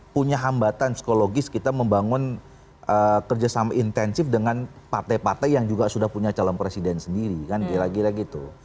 punya hambatan psikologis kita membangun kerjasama intensif dengan partai partai yang juga sudah punya calon presiden sendiri kan kira kira gitu